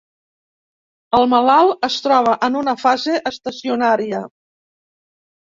El malalt es troba en una fase estacionària.